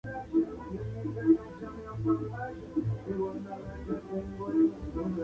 El hogar del Club en las tres primeras temporadas, fue el Estadio Francisco Montaner.